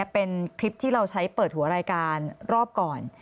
เป็นคลิปที่เราใช้เปิดหัวรายการรอบก่อน